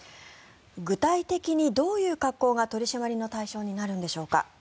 具体的にどういう格好が取り締まりの対象になるんでしょうか。